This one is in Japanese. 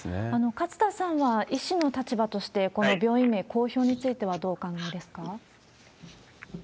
勝田さんは医師の立場として、この病院名公表についてはどうお考えですか？